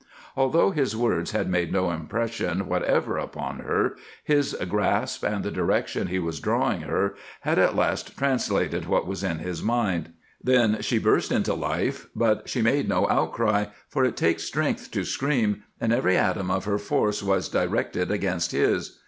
Although his words had made no impression whatever upon her, his grasp and the direction he was drawing her had at last translated what was in his mind. Then she burst into life. But she made no outcry, for it takes strength to scream, and every atom of her force was directed against his.